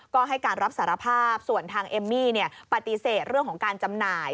ก็ให้การรับสารภาพส่วนทางเอมมี่ปฏิเสธเรื่องของการจำหน่าย